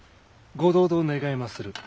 御同道願いまする。